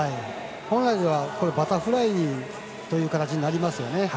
本来ではバタフライという形になりますよね。